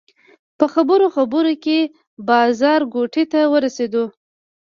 په خبرو خبرو کې بازارګوټي ته ورسېدو.